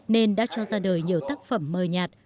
nên đã cho ra đời nhiều tác phẩm mờ nhạt